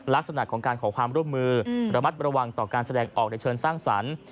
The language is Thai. ลักษณะของการขอความร่วมมือระมัดระวังต่อการแสดงออกในเชิงสร้างสรรค์